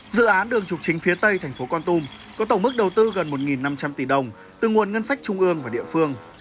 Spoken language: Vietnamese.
dự án đường trục chính phía tây thành phố con tum có tổng mức đầu tư gần một năm trăm linh tỷ đồng từ nguồn ngân sách trung ương và địa phương